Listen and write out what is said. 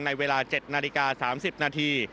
ในเวลา๗นาฬิกา๓๐นาที